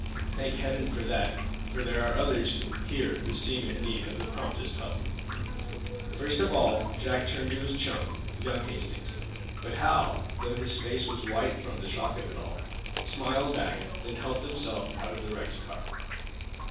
"Thank heaven for that, for there are others here who seem in need of the promptest help." First of all Jack turned to his chum, young Hastings. But Hal, though his face was white from the shock of it all, smiled back, then helped himself out of the wrecked car.